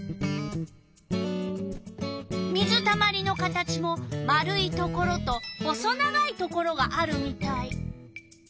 水たまりの形も丸いところと細長いところがあるみたい。